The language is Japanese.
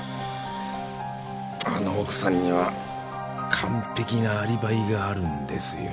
あの奥さんには完璧なアリバイがあるんですよ。